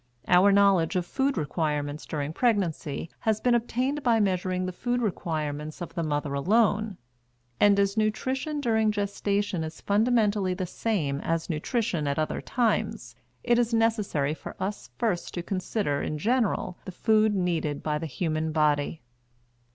Our knowledge of food requirements during pregnancy has been obtained by measuring the food requirements of the mother alone; and as nutrition during gestation is fundamentally the same as nutrition at other times, it is necessary for us first to consider in general the food needed by the human body.